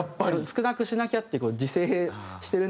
少なくしなきゃって自制してるんだけど。